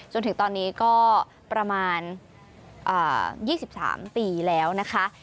จนถึงตอนนี้ก็ประมาณ๒๓ปีแล้วนะคะ